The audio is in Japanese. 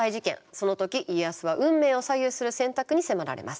その時家康は運命を左右する選択に迫られます。